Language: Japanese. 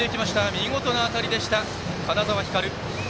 見事な当たりでした、金澤光流。